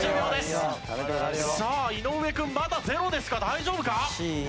さあ井上君まだゼロですが大丈夫か？